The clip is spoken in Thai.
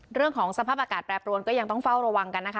เรื่องของสภาพอากาศแปรปรวนก็ยังต้องเฝ้าระวังกันนะคะ